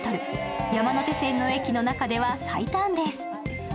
山手線の駅の中では最短です。